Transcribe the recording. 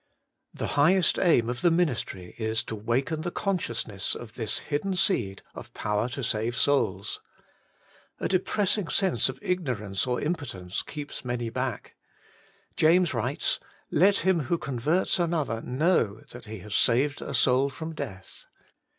The highest aim of the ministry is to waken the conscious ness of this hidden seed of power to save souls. A depressing sense of ignorance or impotence keeps many back. James writes :* Let him who converts another knozu that he has saved a soul from death.'